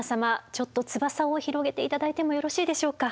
ちょっと翼を広げて頂いてもよろしいでしょうか？